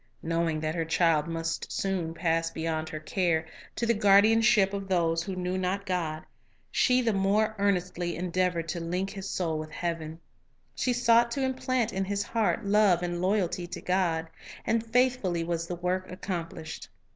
Knowing that her child must soon pass beyond her care, to the guardianship of those who His \iother s knew not God, she the more earnestly endeavored to link his soul with heaven. She sought to implant in his heart love and loyalty to God. And faithfully was the work accomplished.